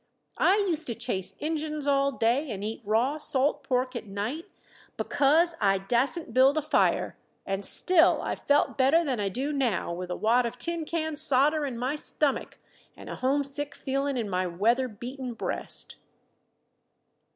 I used to chase Injuns all day and eat raw salt pork at night, bekuz I dassent build a fire, and still I felt better than I do now with a wad of tin can solder in my stummick and a homesick feeling in my weather beaten breast.